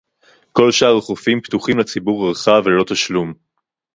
כל שאר החופים פתוחים לציבור הרחב ללא תשלום